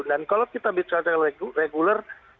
dan kalau kita bicara reguler